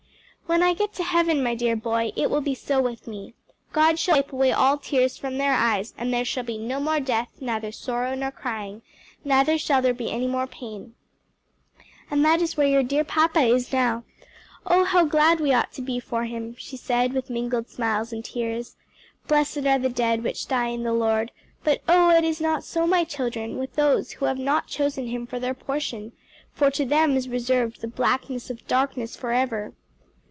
"When I get to heaven, my dear boy, it will be so with me. 'God shall wipe away all tears from their eyes; and there shall be no more death, neither sorrow, nor crying, neither shall there be any more pain.' And that is where your dear papa is now. Oh how glad we ought to be for him!" she said with mingled smiles and tears. "'Blessed are the dead which die in the Lord:' but oh, it is not so, my children, with those who have not chosen him for their portion! 'for to them is reserved the blackness of darkness for ever.'"